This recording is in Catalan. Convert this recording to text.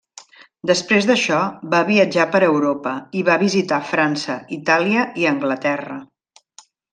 Després d'això, va viatjar per Europa i va visitar França, Itàlia i Anglaterra.